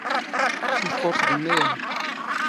ⵜⵎⵇⵇⵓⵔ ⵜⴳⵎⵎⵉ ⴰⵏⵏ.